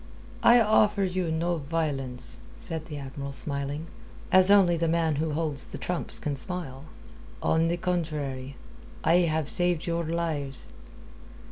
"I offer you no violence," said the Admiral, smiling, as only the man who holds the trumps can smile. "On the contrary, I have saved your lives...."